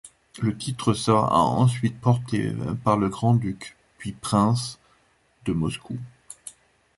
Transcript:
Le titre sera ensuite porté par le grand-duc, puis prince, de Moscou.